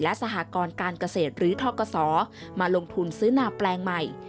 และสหกรการเกษตรหรือทกศมาลงทุนซื้อนาแปลงใหม่